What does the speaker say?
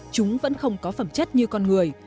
chúng vẫn không có phẩm chất như con người